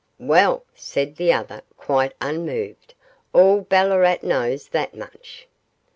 'Well,' said the other, quite unmoved, 'all Ballarat knows that much.